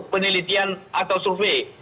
penelitian atau survei